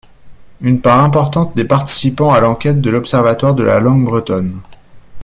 Une part importante des participants à l’enquête de l’Observatoire de la Langue Bretonne.